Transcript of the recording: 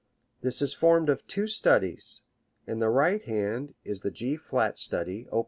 This is formed of two studies. In the right hand is the G flat study, op.